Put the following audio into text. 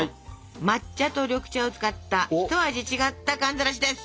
抹茶と緑茶を使った一味違った寒ざらしです！